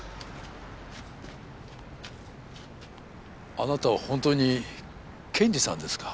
あなたは本当に検事さんですか？